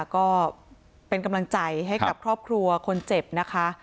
ก็เป็นกำลังใจให้กับครอบครัวคนเจ็บนะคะ